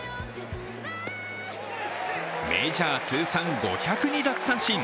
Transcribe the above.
メジャー通算５０２奪三振。